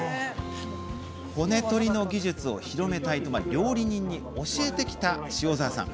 骨取りの技術を広めたいと料理人に教えてきた塩沢さん。